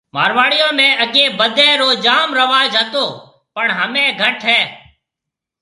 مارواڙيون ۾ اگيَ بدَي رو جام رواج ھتو پڻ ھميَ گھٽ ھيََََ